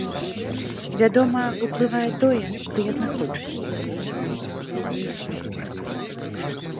Вядома, уплывае тое, што я знаходжуся тут.